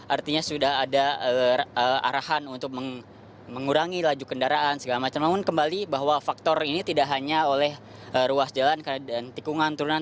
artinya sudah ada arahan untuk mengurangi laju kendaraan segala macam namun kembali bahwa faktor ini tidak hanya oleh ruas jalan dan tikungan turunan